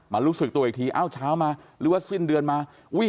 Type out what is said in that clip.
รู้สึกตัวอีกทีอ้าวเช้ามาหรือว่าสิ้นเดือนมา